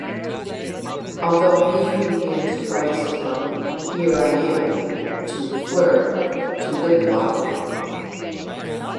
Although, being renamed twice from "Here I Am" to "Flirt" to "Lip Lock".